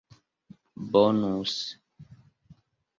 bonus